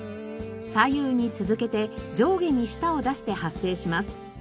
左右に続けて上下に舌を出して発声します。